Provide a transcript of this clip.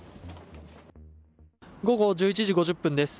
午後１１時５０分です。